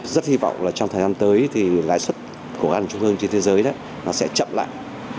rất hy vọng trong thời gian tới thì lãi suất của các trung ương trên thế giới sẽ chậm lại